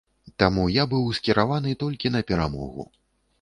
Таму я быў скіраваны толькі на перамогу.